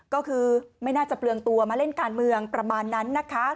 ก็คือไม่น่าจะเปลืองตัวมาเล่นการเมืองประมาณนั้นนะคะ